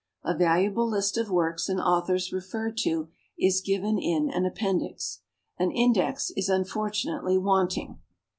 A valuable list of works and authors referred to is given in an appendix. An index is unfortunately wanting.